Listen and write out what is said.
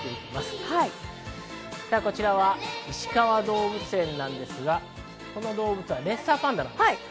こちらは、いしかわ動物園なんですが、この動物はレッサーパンダです。